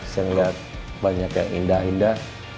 saya melihat banyak yang indah indah